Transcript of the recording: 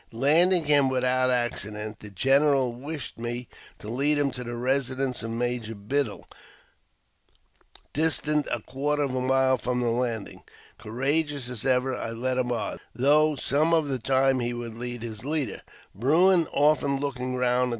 Landing him without accident, the general wished me to lead him to the residence of Major Biddle, distant a quarter of a mile from the landing. Courageous as ever, I led him on, though some of the time he would lead his leader, Bruin often looking round at the ^ AUTOBIOGBAPHY OF JAMES P.